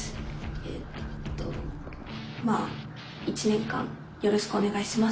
えっとまぁ１年間よろしくお願いします。